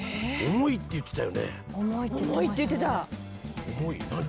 重いって言ってた。